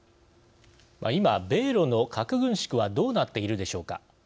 今、米ロの核軍縮はどうなっているでしょうか。